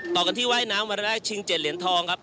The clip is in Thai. ต่อกันที่ว่ายน้ำวันแรกชิง๗เหรียญทองครับ